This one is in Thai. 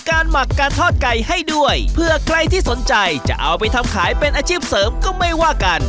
หมักการทอดไก่ให้ด้วยเพื่อใครที่สนใจจะเอาไปทำขายเป็นอาชีพเสริมก็ไม่ว่ากัน